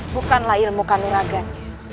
bukanlah ilmukan nuragan